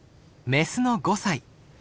メスの５歳。